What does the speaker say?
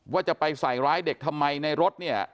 ว่าจะไปใส่ร้ายเด็กทำไมในรถเนี่ย